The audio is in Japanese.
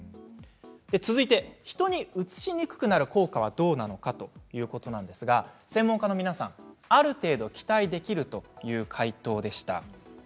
続いて人にうつしにくくなる効果はどうなのかということですが専門家の皆さん、ある程度期待できるという回答でした。